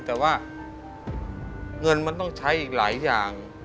แต่ว่าเงินมันต้องใช้อีกหลายอย่าง